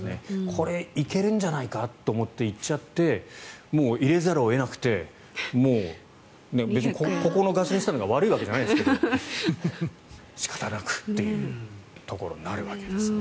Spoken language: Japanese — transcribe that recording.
これ、行けるんじゃないかと思って行っちゃって入れざるを得なくてここのガソリンスタンドが悪いわけじゃないですけど仕方なくっていうところになるわけですね。